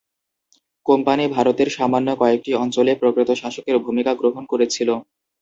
Company ভারতের সামান্য কয়েকটি অঞ্চলে প্রকৃত শাসকের ভূমিকা গ্রহণ করেছিল।